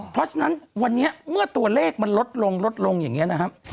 เพราะฉะนั้นวันนี้เมื่อตัวเลขมันลดลงลดลงอย่างนี้นะครับ